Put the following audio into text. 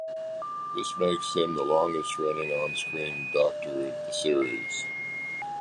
This makes him the longest running on-screen Doctor of the series.